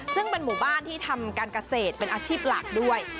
ซึ่งเป็นหมู่บ้านที่ทำการเกษตรเป็นอาชีพหลักด้วย